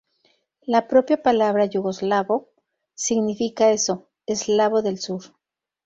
La propia palabra "yugoslavo" significa eso, "eslavo del sur".